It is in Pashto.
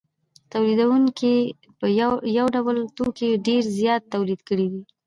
تولیدونکو یو ډول توکي ډېر زیات تولید کړي دي